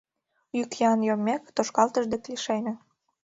Йӱк-йӱан йоммек, тошкалтыш дек лишеме.